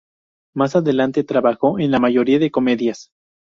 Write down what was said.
Más adelante trabajó en la mayoría de comedias.